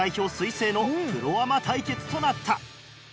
彗星のプロアマ対決となった。